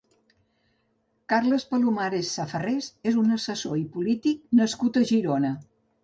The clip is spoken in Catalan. Carles Palomares Safarrés és un assessor i polític nascut a Girona.